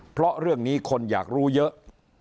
เพราะเรื่องนี้คนอยากรู้เยอะ